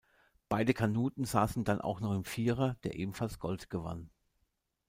Beide Kanuten saßen dann auch noch im Vierer, der ebenfalls Gold gewann.